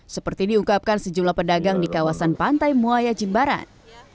seperti diukapkan sejumlah pedagang di kawasan pantai muaya jimbaran